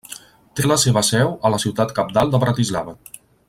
Té la seva seu a la ciutat cabdal de Bratislava.